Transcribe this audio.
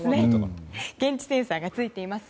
検知センサーがついています。